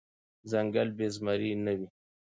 ځنګل بی زمري نه وي .